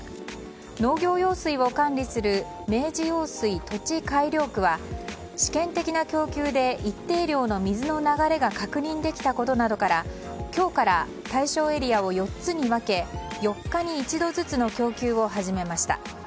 農業用水を管理する明治用水土地改良区は試験的な供給で一定量の水の流れが確認できたことなどから今日から対象エリアを４つに分け４日に一度ずつの供給を始めました。